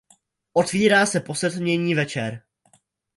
Otvírá se po setmění večer.